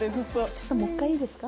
ちょっともう一回いいですか？